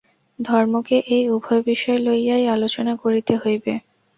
ধর্মকে এই উভয় বিষয় লইয়াই আলোচনা করিতে হইবে।